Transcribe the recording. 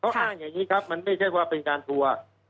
อ้างอย่างนี้ครับมันไม่ใช่ว่าเป็นการทัวร์